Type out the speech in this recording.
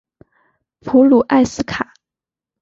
普卢埃斯卡。